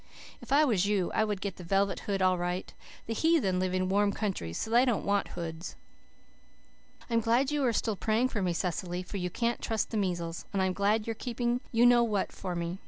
If I was you I would get the velvet hood all right. The heathen live in warm countries so they don't want hoods. "I'm glad you are still praying for me, Cecily, for you can't trust the measles. And I'm glad you're keeping you know what for me.